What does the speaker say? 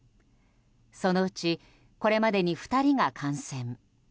そのうちこれまでに２人が感染。